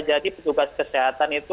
jadi petugas kesehatan itu